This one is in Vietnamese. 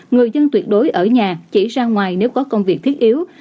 người dân tuyệt đối ở nhà chỉ ra ngoài nếu có công việc thiết yếu